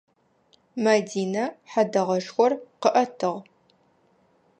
Мэдинэ хьэдэгъэшхор къыӏэтыгъ.